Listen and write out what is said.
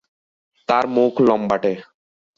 তার মুখ লম্বাটে।